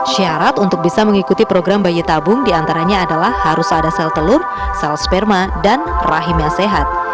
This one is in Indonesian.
syarat untuk bisa mengikuti program bayi tabung diantaranya adalah harus ada sel telur sel sperma dan rahim yang sehat